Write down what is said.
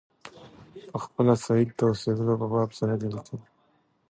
پخپله سید د اوسېدلو په باب څه نه دي لیکلي.